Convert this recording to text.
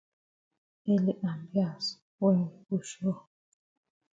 Ele ambiance wen we go show.